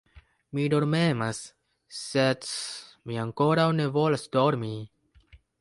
Mi dormemas, sed mi ankoraŭ ne volas dormi.